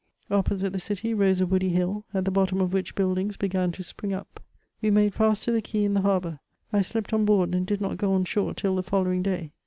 Opposite the city rose a woody hill, at the bottom of which buildings began to spring up. We made fast to the quay in the harbour. I slept on board, and did not go on shore till the following day.